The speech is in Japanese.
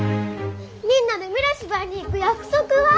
みんなで村芝居に行く約束は？